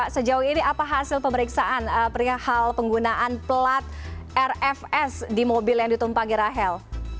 sejauh ini apa hasil pemeriksaan perihal penggunaan pelat rfs di mobil yang ditumpangi rahel